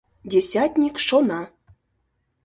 Десятник шона.